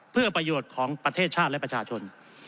เพื่อประโยชน์ของประเทศชาติและประชาชน